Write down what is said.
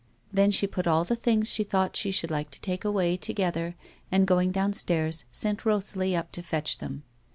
Then she put all the things she thought she should like to take away together, and, going downstairs, sent Eosalie up to fetch them.